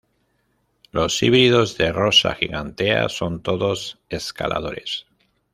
Los híbridos de "Rosa gigantea" son todos escaladores.